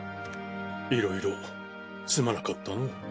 いろいろすまなかったのう。